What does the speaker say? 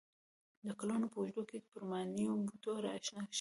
د کلونو په اوږدو کې پر ماینونو بوټي را شنه شوي.